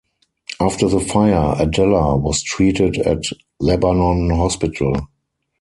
After the fire, Adella was treated at Lebanon Hospital.